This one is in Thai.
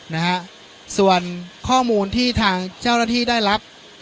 นะฮะส่วนข้อมูลที่ทางเจ้าหน้าที่ได้รับ